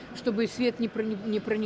untuk tidak terdengar api